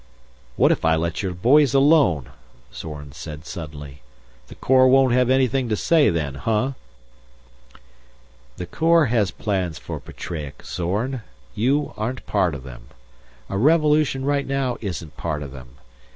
"What if I let your boys alone?" Zorn said suddenly. "The Corps won't have anything to say then, huh?" "The Corps has plans for Petreac, Zorn. You aren't part of them. A revolution right now isn't part of them.